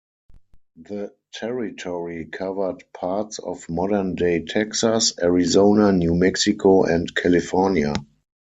The territory covered parts of modern-day Texas, Arizona, New Mexico, and California.